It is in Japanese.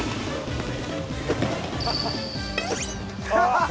ハハハ！